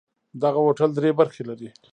دغه هوټل درې برخې لري.